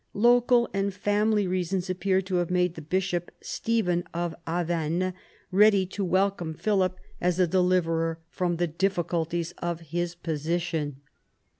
Local and family reasons appear to have made the bishop, Stephen of Avesnes, ready to welcome Philip as a deliverer 96 PHILIP AUGUSTUS chap. from the difficulties of his position.